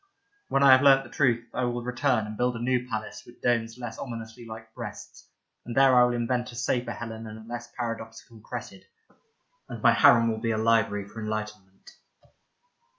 When I have learnt the truth, I will return and build a new palace with domes less ominously like breasts, and there I will invent a safer Helen and a less paradoxical Cressid, and my harem will be a library for enlighten ment.